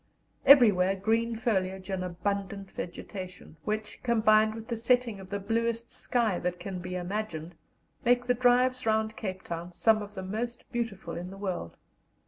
Everywhere green foliage and abundant vegetation, which, combined with the setting of the bluest sky that can be imagined, make the drives round Cape Town some of the most beautiful in the world.